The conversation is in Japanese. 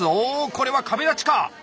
これは「壁立ち」か！